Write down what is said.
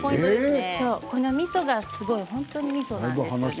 このみそが本当にみそなんですね。